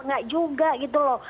enggak juga gitu loh